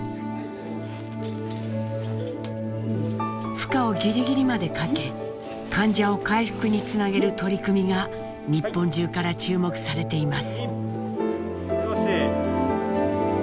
負荷をぎりぎりまでかけ患者を回復につなげる取り組みが日本中から注目されています。